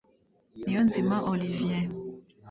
Niyonzima Olivier